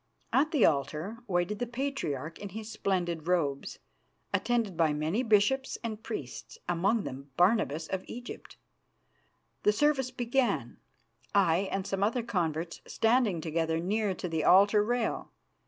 At the altar waited the Patriarch in his splendid robes, attended by many bishops and priests, among them Barnabas of Egypt. The service began, I and some other converts standing together near to the altar rail.